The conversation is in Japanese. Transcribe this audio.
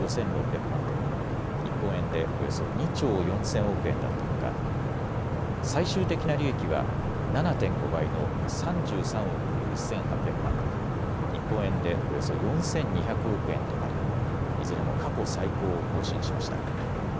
ドル、日本円でおよそ２兆４０００億円だったほか最終的な利益は７．５倍の３３億１８００万ドル、日本円でおよそ４２００億円となりいずれも過去最高を更新しました。